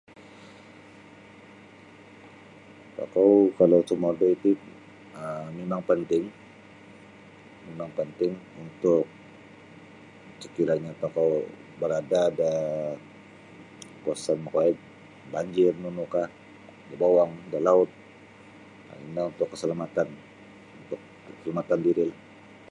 Tokou kalau sumodoi ti um mimang penting mimang penting untuk sekira'nyo tokou berada da kawasan makawaig banjir nunukah da bowong da laut ino untuk keselamatan untuk keselamatan diri'lah.